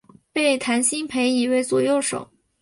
被谭鑫培倚为左右手。